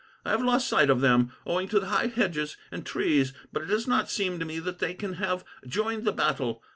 I have lost sight of them, owing to the high hedges and trees, but it does not seem to me that they can have joined in the battle.